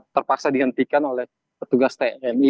terpaksa dihentikan oleh petugas tni